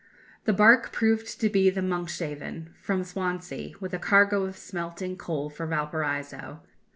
The barque proved to be the Monkshaven, from Swansea, with a cargo of smelting coal for Valparaiso.